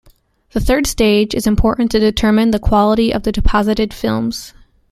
The third stage is important to determine the quality of the deposited films.